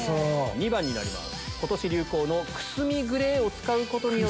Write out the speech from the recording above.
２番になります。